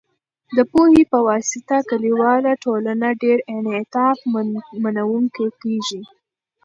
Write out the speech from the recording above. د پوهې په واسطه، کلیواله ټولنه ډیر انعطاف منونکې کېږي.